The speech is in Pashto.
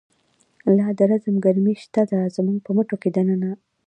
لا د رزم گرمی شته ده، زمونږ په مټو کی د ننه